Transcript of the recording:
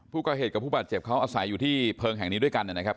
ผู้ก่อเหตุกับผู้บาดเจ็บเขาอาศัยอยู่ที่เพลิงแห่งนี้ด้วยกันนะครับ